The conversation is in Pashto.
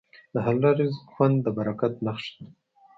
د حلال رزق خوند د برکت نښه ده.